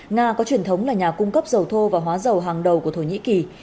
nga có truyền thống là nhà cung cấp dầu thô và hóa dầu hàng đầu của thổ nhĩ kỳ